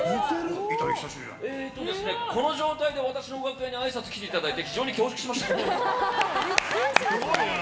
この状態で私の楽屋にあいさつに来ていただいて非常に恐縮しました。